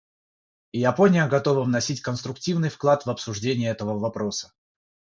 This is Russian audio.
И Япония готова вносить конструктивный вклад в обсуждение этого вопроса.